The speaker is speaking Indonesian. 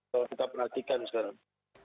kalau kita perhatikan sekarang